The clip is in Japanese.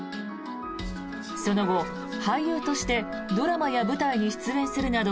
その後、俳優としてドラマや舞台に出演するなど